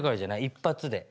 一発で。